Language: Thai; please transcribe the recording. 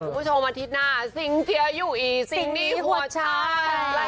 คุณผู้ชมอาทิตย์หน้าซิงเจียอยู่อีกสิ่งนี้หัวชาย